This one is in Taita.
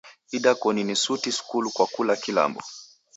Idakoni ni suti skulu kwa kula kilambo!